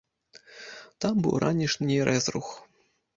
Там быў ранішні рэзрух.